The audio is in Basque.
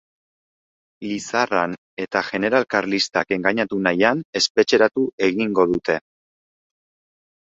Lizarran eta jeneral karlistak engainatu nahian, espetxeratu egingo dute.